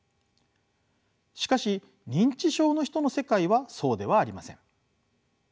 しかし認知症の人の世界はそうではありません。